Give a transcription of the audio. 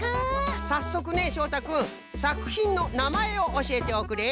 さっそくねしょうたくんさくひんのなまえをおしえておくれ。